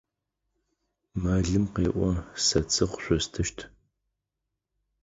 Мэлым къеӏо: Сэ цы къышъостыщт.